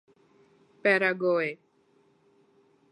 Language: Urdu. پیراگوئے